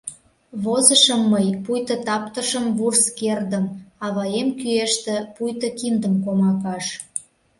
Возышым мый, пуйто таптышым вурс кердым, аваем кӱэште пуйто киндым комакаш.